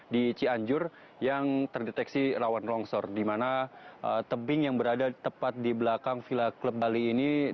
di cianjur yang terdeteksi rawan longsor di mana tebing yang berada tepat di belakang villa club bali ini